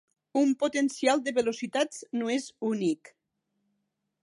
Un potencial de velocitats no és únic.